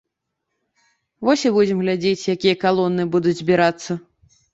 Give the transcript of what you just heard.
Вось і будзем глядзець, якія калоны будуць збірацца.